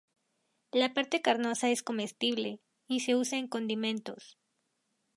La parte carnosa es comestible, y se usa en condimentos.